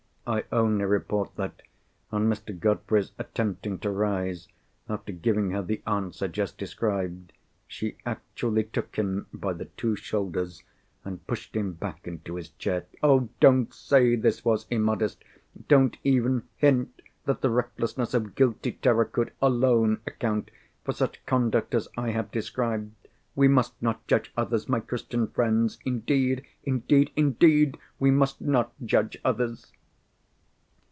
I only report that, on Mr. Godfrey's attempting to rise, after giving her the answer just described, she actually took him by the two shoulders, and pushed him back into his chair—Oh, don't say this was immodest! don't even hint that the recklessness of guilty terror could alone account for such conduct as I have described! We must not judge others. My Christian friends, indeed, indeed, indeed, we must not judge others!